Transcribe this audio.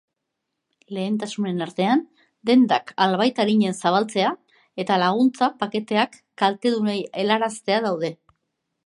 Lehentasunen artean, dendak albait arinen zabaltzea eta laguntza paketeak kaltedunei helaraztea daude.